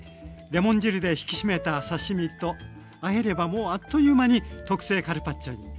レモン汁で引き締めた刺身とあえればもうあっという間に特製カルパッチョに。